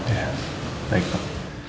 ya baik pak